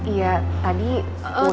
iya tadi mulan itu